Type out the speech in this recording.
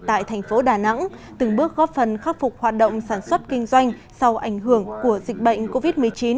tại thành phố đà nẵng từng bước góp phần khắc phục hoạt động sản xuất kinh doanh sau ảnh hưởng của dịch bệnh covid một mươi chín